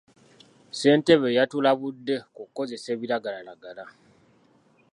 Ssentebe yatulabudde ku kukozesa ebiragalalagala.